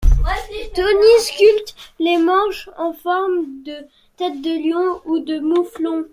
Toni sculpte les manches en forme de tête de lion ou de mouflon.